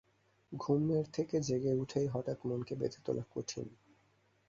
ঘুমের থেকে জেগে উঠেই হঠাৎ মনকে বেঁধে তোলা কঠিন।